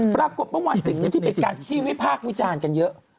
ปรากฏประมาณสิ่งนี้ที่เป็นการชีวิตภาควิจารณ์กันเยอะ